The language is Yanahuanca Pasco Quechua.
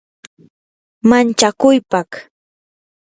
manchakuypaq